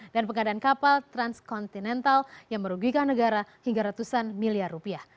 dan pengadaan kapal transkontinental yang merugikan negara hingga ratusan miliar rupiah